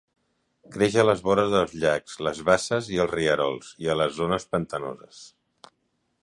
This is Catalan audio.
Creix a les vores dels llacs, les basses i els rierols, i a les zones pantanoses.